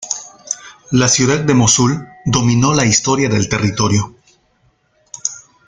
La ciudad de Mosul dominó la historia del territorio.